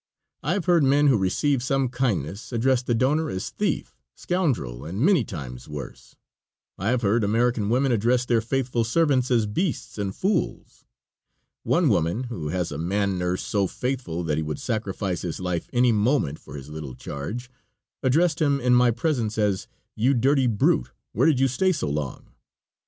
I have heard men who received some kindness address the donor as thief, scoundrel, and many times worse. I have heard American women address their faithful servants as beasts and fools. One woman, who has a man nurse so faithful that he would sacrifice his life any moment for his little charge, addressed him in my presence as: "You dirty brute, where did you stay so long?"